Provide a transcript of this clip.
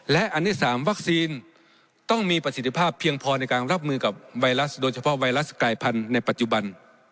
และอันที่๓วัคซีนต้องมีประสิทธิภาพเพียงพอในการรับมือกับไวรัสโดยเฉพาะไวรัสกายพันธุ์ในปัจจุบัน